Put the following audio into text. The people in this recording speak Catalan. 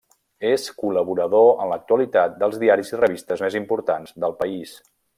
És col·laborador en l'actualitat dels diaris i revistes més importants del país.